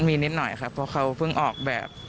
มีนิดหน่อยครับเพราะเขาเพิ่งออกแบบ